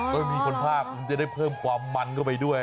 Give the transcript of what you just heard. ก็จะมีคนพากจะได้เพิ่มความมันเข้าไปด้วย